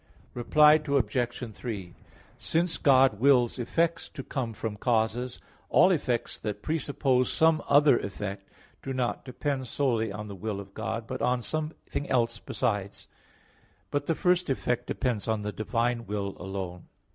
Reply Obj. 3: Since God wills effects to come from causes, all effects that presuppose some other effect do not depend solely on the will of God, but on something else besides: but the first effect depends on the divine will alone.